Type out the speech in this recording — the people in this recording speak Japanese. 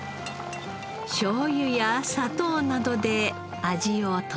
しょうゆや砂糖などで味を調え。